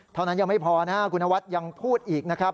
เท่านั้นยังไม่พอนะครับคุณนวัฒน์ยังพูดอีกนะครับ